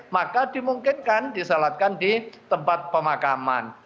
maka dimungkinkan disalatkan di tempat pemakaman